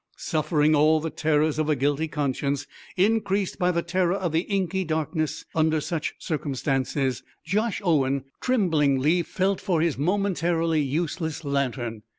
Suffering all the terrors of a guilty conscience, increased by the terror of the inky darkness under such circumstances, Josh Owen tremblingly felt for his momentarily useless lantern.